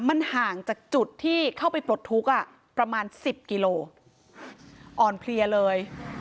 มันห่างจากจุดที่เข้าไปปลดทุกข์อ่ะประมาณสิบกิโลอ่อนเพลียเลย